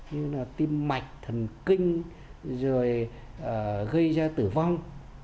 như là tim mạch thần kinh rồi gây ra tử vong